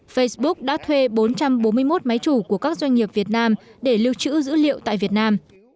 facebook đã thuê bốn trăm bốn mươi một máy chủ của các doanh nghiệp việt nam để lưu trữ dữ liệu tại việt nam